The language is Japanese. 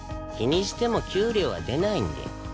気にしても給料は出ないんで。